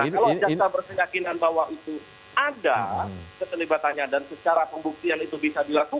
kalau jaksa berkeyakinan bahwa itu ada keterlibatannya dan secara pembuktian itu bisa dilakukan